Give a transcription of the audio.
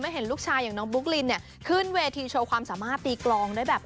เห็นลูกชายอย่างน้องบุ๊กลินเนี่ยขึ้นเวทีโชว์ความสามารถตีกลองได้แบบ